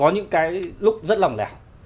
những cái lúc rất lỏng lẻo